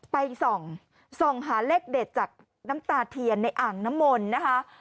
ไปส่องส่องหาเลขเด็ดจากน้ำตาเทียนในอ่างน้ำมนต์นะคะ